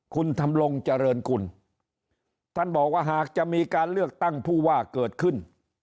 คุณทำลงเจริญกุลท่านบอกว่าหากจะมีการเลือกตั้งผู้ว่าเกิดขึ้น